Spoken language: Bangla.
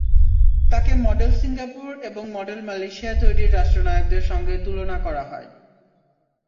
তাঁকে মডেল সিঙ্গাপুর এবং মডেল মালয়েশিয়া তৈরির রাষ্ট্রনায়কদের সঙ্গে তুলনা করা হয়।